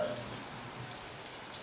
yang kedua secara khusus